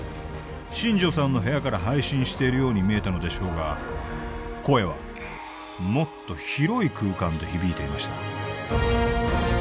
新城さんの部屋から配信しているように見えたのでしょうが声はもっと広い空間で響いていました